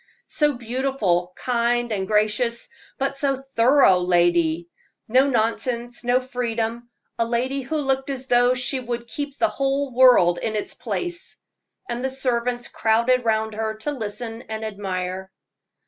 "So beautiful, kind, and gracious; but so thorough lady no nonsense, no freedom a lady who looked as though she would keep the whole world in its place." And the servants crowded round her to listen and admire.